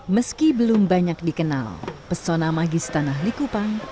meski belum banyak dikenal pesona magis tanah likupang